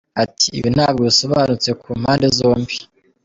Ati "Ibi ntabwo bisobanutse ku mpande zombi.